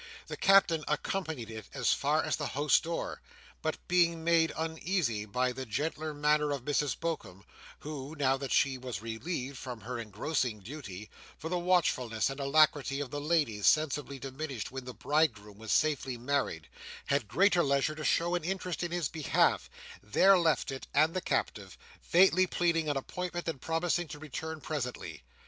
The Captain accompanied it as far as the house door, but, being made uneasy by the gentler manner of Mrs Bokum, who, now that she was relieved from her engrossing duty—for the watchfulness and alacrity of the ladies sensibly diminished when the bridegroom was safely married—had greater leisure to show an interest in his behalf, there left it and the captive; faintly pleading an appointment, and promising to return presently.